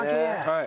はい。